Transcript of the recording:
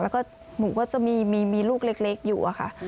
แล้วก็หนูก็จะมีลูกเล็กอยู่อะค่ะ